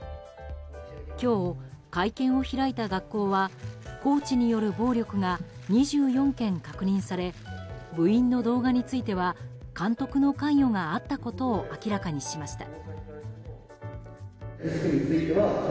今日、会見を開いた学校はコーチによる暴力が２４件確認され部員の動画については監督の関与があったことを明らかにしました。